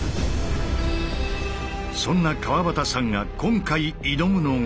そんな川端さんが今回挑むのが。